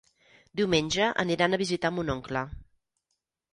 Diumenge aniran a visitar mon oncle.